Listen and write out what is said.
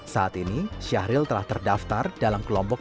saat ini syahril telah terdaftar dalam kelompok